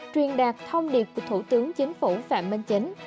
truyền đạt thông điệp của thủ tướng chính phủ phạm minh chính